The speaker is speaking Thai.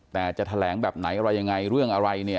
แต่จะแถลงแบบไหนอะไรยังไงเรื่องอะไรเนี่ย